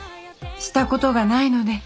したことがないので。